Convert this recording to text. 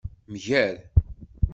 Mger.